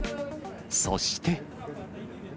そして。